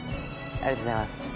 ありがとうございます。